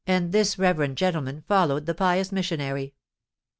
And this reverend gentleman followed the pious missionary.